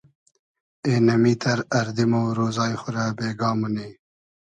اېنئمیتئر اردی مۉ رۉزای خو رۂ بېگا مونی